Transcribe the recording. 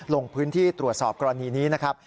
ลงพื้นที่ตรวจสอบกรณีนี้นะครับ